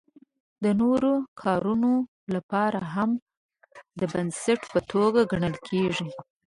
د نورو کارونو لپاره هم د بنسټ په توګه ګڼل کیږي.